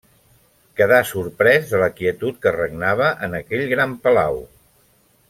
Quedà sorprès de la quietud que regnava en aquell gran palau.